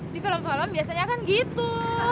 di film film biasanya kan gitu